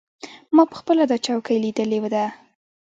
ما پخپله دا چوکۍ لیدلې ده.